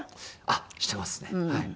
あっしてますねはい。